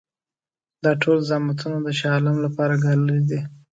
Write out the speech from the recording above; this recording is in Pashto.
دا ټول زحمتونه د شاه عالم لپاره ګاللي دي.